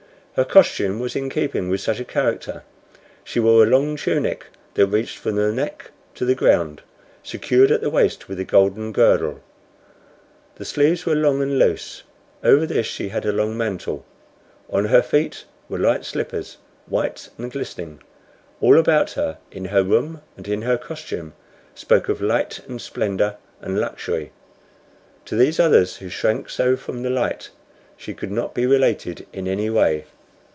Her costume was in keeping with such a character. She wore a long tunic that reached from the neck to the ground, secured at the waist with a golden girdle; the sleeves were long and loose; over this she had a long mantle; on her feet were light slippers, white and glistening. All about her, in her room and in her costume, spoke of light and splendor and luxury. To these others who shrank so from the light she could not be related in any way.